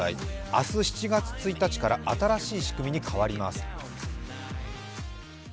明日７月１日から新しい仕組みに変わります。